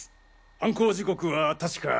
犯行時刻は確か。